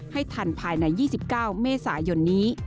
ให้ทันภายใน๒๙เมษายนนี้